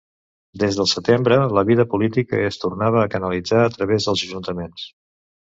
Des del setembre la vida política es tornava a canalitzar a través dels ajuntaments.